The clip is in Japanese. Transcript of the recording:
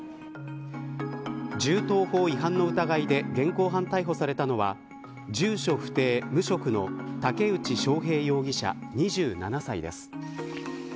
銃刀法違反の疑いで現行犯逮捕されたのは住所不定、無職の竹内翔平容疑者、２７歳です。